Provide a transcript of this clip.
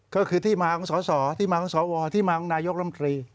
ก็คือที่มาของสอสอที่มาของสวที่มาของนายกรรมตรี